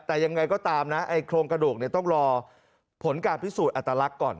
แต่ยังไงก็ตามนะไอ้โครงกระดูกเนี่ยต้องรอผลการพิสูจน์อัตลักษณ์ก่อน